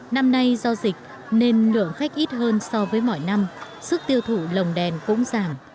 năm nay do dịch nên lượng khách ít hơn so với mọi năm sức tiêu thụ lồng đèn cũng giảm